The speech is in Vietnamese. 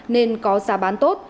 nên có giá bán tốt